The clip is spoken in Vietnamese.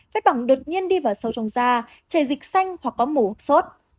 vết bỏng đột nhiên đi vào sâu trong da chảy dịch xanh hoặc có mù sốt